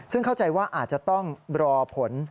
ซึ่งเข้าใจว่าอาจจะต้องรอผล